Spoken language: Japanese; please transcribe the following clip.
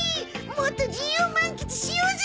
もっと自由を満喫しようぜウッキー。